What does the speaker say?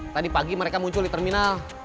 tadi pagi mereka muncul di terminal